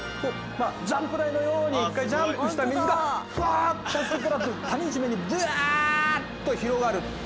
ジャンプ台のように一回ジャンプした水がフワッと谷一面にドワッと広がる。